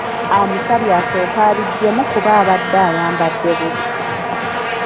Amusabye asooke abiggyemu kuba abadde ayambadde bubi.